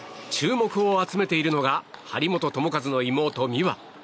注目を集めているのが張本智和の妹・美和。